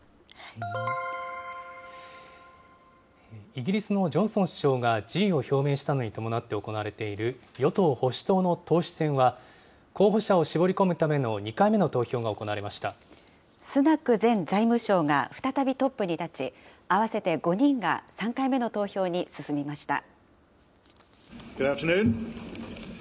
イギリスのジョンソン首相が辞意を表明したのに伴って行われている与党・保守党の党首選は、候補者を絞り込むための２回目のスナク前財務相が再びトップに立ち、合わせて５人が３回目の投票に進みました。